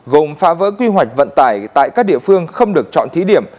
gồm phá vỡ quy hoạch vận tải tại các địa phương không được chọn thí điểm